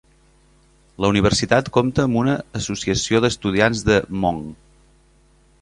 La universitat compta amb una associació d'estudiants de Hmong.